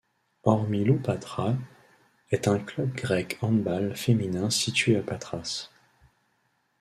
Ormi-Loux Patras, est un club grec handball féminin situé à Patras.